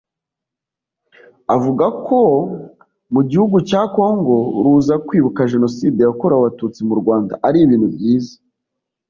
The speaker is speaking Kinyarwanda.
avuga koa mu gihugu cya Congo ruza kwibuka Jenoside yakorewe abatutsi mu Rwanda ari ibintu byiza